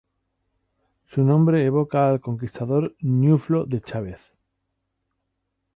Su nombre evoca al conquistador Ñuflo de Chavez.